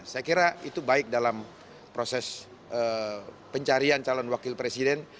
saya kira itu baik dalam proses pencarian calon wakil presiden